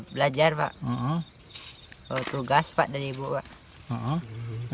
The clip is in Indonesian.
belajar pak tugas pak dari ibu pak